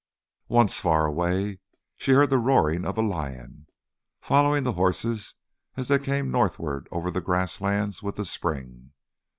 Once, far away, she heard the roaring of a lion, following the horses as they came northward over the grass lands with the spring.